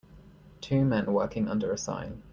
Two men working under a sign.